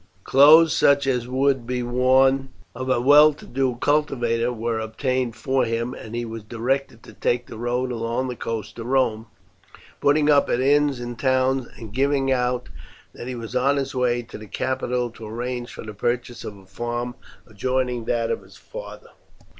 Clothes such as would be worn by the son of a well to do cultivator were obtained for him, and he was directed to take the road along the coast to Rome, putting up at inns in the towns, and giving out that he was on his way to the capital to arrange for the purchase of a farm adjoining that of his father.